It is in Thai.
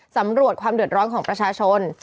สำรวจความเดือดร้อนของประชาชน